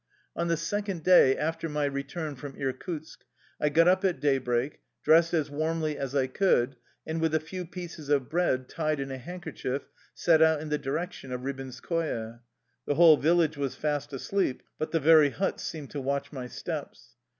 On the second day after my return from Ir kutsk I got up at daybreak, dressed as warmly as I could, and with a few pieces of bread tied in a handkerchief set out in the direction of Rib inskoye. The whole village was fast asleep, but the very huts seemed to watch my steps.